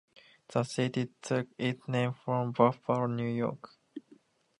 The city took its name from Buffalo, New York.